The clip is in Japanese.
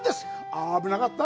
あ危なかった！